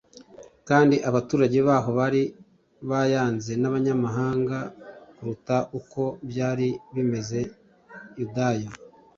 kandi abaturage baho bari bayanze n'abanyamahanga kuruta uko byari bimeze i Yudaya.